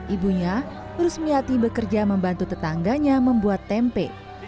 ibunya rusmiati bekerja membantu tetangganya membuat tempe